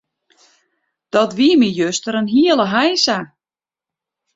Dat wie my juster in hiele heisa.